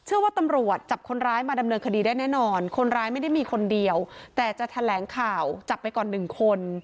แล้วก็ทุกวันนี้จะเห็นได้ว่าคนที่มาเกี่ยวข้องกับคณีส่วนใหญ่